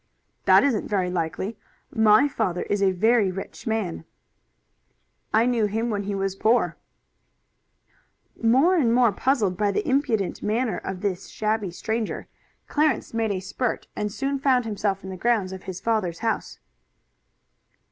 "That isn't very likely. My father is a very rich man." "I knew him when he was poor." More and more puzzled by the independent manner of this shabby stranger, Clarence made a spurt, and soon found himself in the grounds of his father's house.